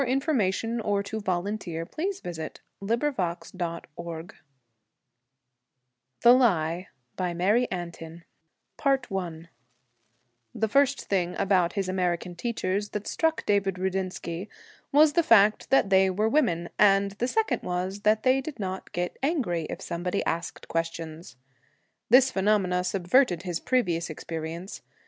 C. S. T. BOSTON, MASS. July, 1918 ATLANTIC NARRATIVES THE LIE BY MARY ANTIN I THE first thing about his American teachers that struck David Rudinsky was the fact that they were women, and the second was that they did not get angry if somebody asked questions. This phenomenon subverted his previous experience.